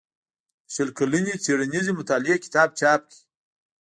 د شل کلنې څيړنيزې مطالعې کتاب چاپ کړ